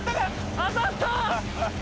当たった！